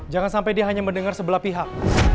jangan sampai dia hanya mendengar sebelah pihak